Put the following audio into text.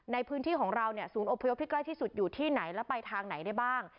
ในพื้นที่ของเราเนี่ยศูนย์อบพยพที่ใกล้ที่สุดอยู่ที่ไหนแล้วไปทางไหนได้บ้าง